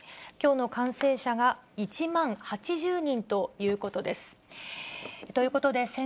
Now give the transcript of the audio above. きょうの感染者が１万８０人ということです。